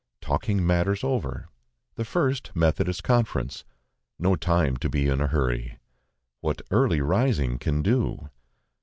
Talking matters over. The first Methodist Conference. No time to be in a hurry. What early rising can do.